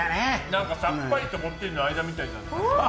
なんかさっぱりとこってりの間みたいな。